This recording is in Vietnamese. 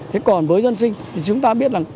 thế còn với dân sinh thì chúng ta biết rằng